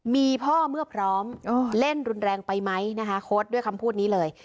มีพ่อเมื่อพร้อมเล่นรุนแรงไปไหมนะคะโค้ดด้วยคำพูดนี้เลย